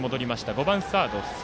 ５番サード関。